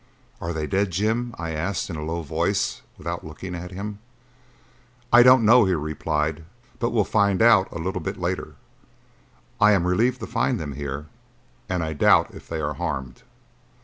"Are they dead, Jim?" I asked in a low voice without looking at him. "I don't know," he replied, "but we'll find out a little later. I am relieved to find them here, and I doubt if they are harmed."